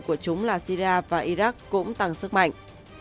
của chúng là sira và iraq cũng tăng sức mạnh